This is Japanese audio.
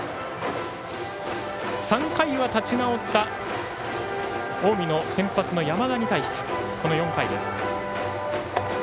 ３回は立ち直った近江の先発の山田に対してこの４回です。